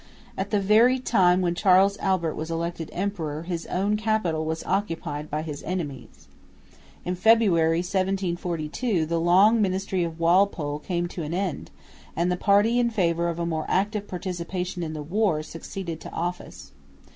At the very time when Charles Albert was elected Emperor, his own capital was occupied by his enemies. In February, 1742, the long ministry of Walpole came to an end; and the party in favour of a more active participation in the war succeeded to office.